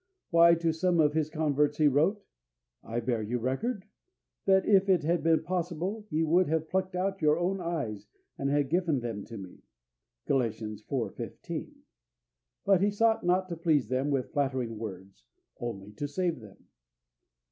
Why, to some of his converts he wrote: "I bear you record, that if it had been possible, ye would have plucked out your own eyes, and have given them to me" (Gal. iv. 15). But he sought not to please them with flattering words, only to save them.